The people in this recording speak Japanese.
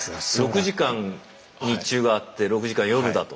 ６時間日中があって６時間夜だと。